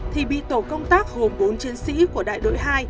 thì bị tổ công tác gồm bốn chiến sĩ của đại đội hai